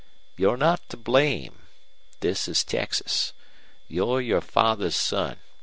You're not to blame. This is Texas. You're your father's son.